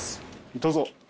どうぞ。